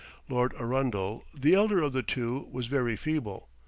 Lord Arundel, the elder of the two, was very feeble.